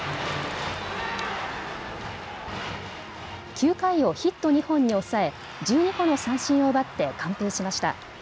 ９回をヒット２本に抑え１２個の三振を奪って完封しました。